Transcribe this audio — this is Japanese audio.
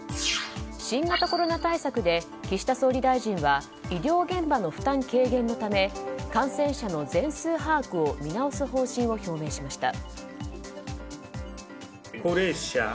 新型コロナ対策で岸田総理大臣は医療現場の負担軽減のため感染者の全数把握を見直す方針を表明しました。